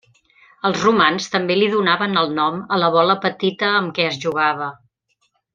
Els romans també li donaven el nom a la bola petita amb què es jugava.